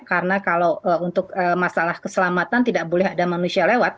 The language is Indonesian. karena kalau untuk masalah keselamatan tidak boleh ada manusia lewat